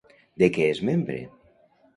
De què és membre?